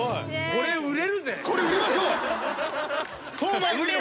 これ売れるぜ。